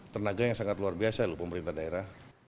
tenaga yang sangat luar biasa loh pemerintah daerah